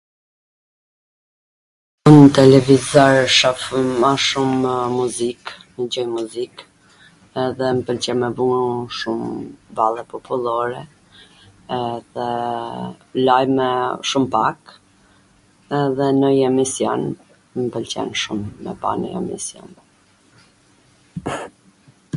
Un televizor shof ma shumw muzik, dwgjoj muzik, edhe mw pwlqen me vu shum valle popullore, edhe lajme shum pak, edhe nonjw emisjo mw pwlqen shum me pa nonje emision.